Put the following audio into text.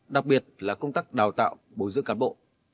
đặc biệt là công tác đào tạo bồi dưỡng cán bộ